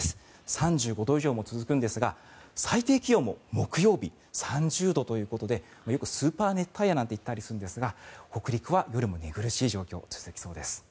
３５度以上も続くんですが最低気温も木曜日３０度ということでよくスーパー熱帯夜なんていったりするんですが北陸は夜も寝苦しい状況が続きそうです。